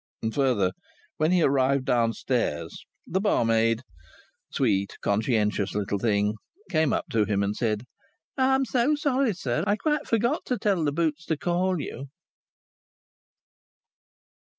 And, further, when he arrived downstairs, the barmaid, sweet, conscientious little thing, came up to him and said, "I'm so sorry, sir. I quite forgot to tell the boots to call you!"